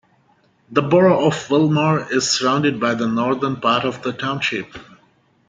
The borough of Wilmore is surrounded by the northern part of the township.